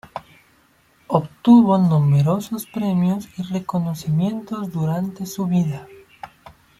Obtuvo numerosos premios y reconocimientos durante su vida.